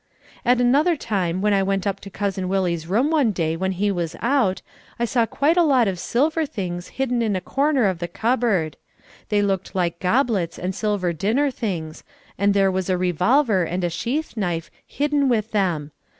At another time when I went up to Cousin Willie's room one day when he was out, I saw quite a lot of silver things hidden in a corner of the cupboard. They looked like goblets and silver dinner things, and there was a revolver and a sheath knife hidden with them.